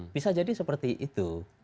bisa jadi seperti itu